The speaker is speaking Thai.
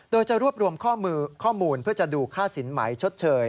โดยจะรวบรวมข้อมูลเพื่อจะดูค่าสินไหมชดเชย